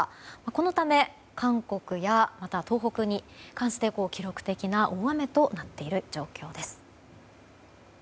このため、韓国や東北で記録的な大雨となっている状況です。